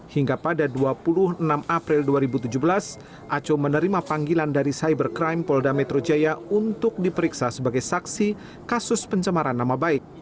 hingga pada dua puluh enam april dua ribu tujuh belas aco menerima panggilan dari cybercrime polda metro jaya untuk diperiksa sebagai saksi kasus pencemaran nama baik